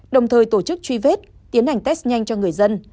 đồng thời tổ chức truy vết tiến hành test nhanh cho người dân